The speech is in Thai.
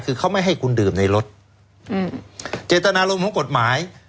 คือเขาไม่ให้คุณดื่มในรถอืมเจตนารมณ์ของกฎหมาย